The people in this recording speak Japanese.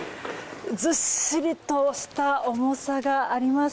ずっしりとした重さがあります。